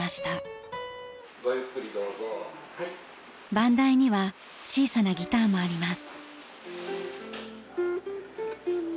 番台には小さなギターもあります。